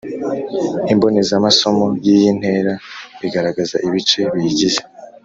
Imbonezamasomo y’iyi ntera igaragaza ibice biyigize